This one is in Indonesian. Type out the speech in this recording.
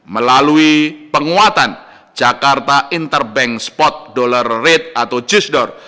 melalui penguatan jakarta interbank spot dollar rate atau jisdor